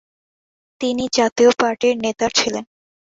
তিনি জাতীয় পার্টির নেতা ছিলেন।